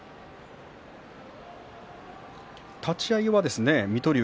立ち合いは水戸龍